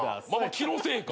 気のせいか。